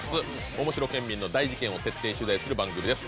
おもしろ県民の大事ケンを徹底取材する番組です